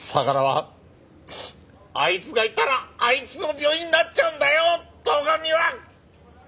あいつがいたらあいつの病院になっちゃうんだよ堂上は！